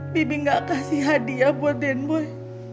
bibi ga kasih hadiah buat den boy